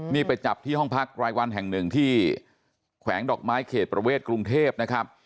นี่ไปจับที่ห้องพักรายวันแห่งหนึ่งที่แขวงดอกไม้เขตประเวทกรุงเทพนะครับ